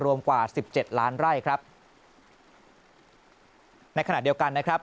รวมกว่าสิบเจ็ดล้านไร่ครับในขณะเดียวกันนะครับ